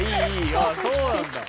あそうなんだ。